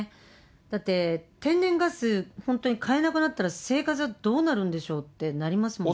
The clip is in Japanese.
だって天然ガス、本当に買えなくなったら、生活はどうなるんでしょうってなりますもんね。